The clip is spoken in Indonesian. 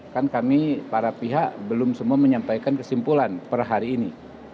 kan kami para pihak belum semua menyampaikan kesimpulan per hari ini